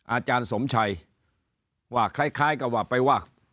อาจารย์สมชัยว่าคล้ายกับว่าไปว่า